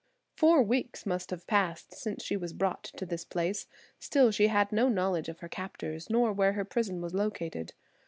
Four weeks must have passed since she was brought to this place, still she had no knowledge of her captors, nor where her prison was located.